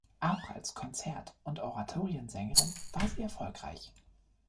Auch als Konzert- und Oratoriensängerin war sie erfolgreich.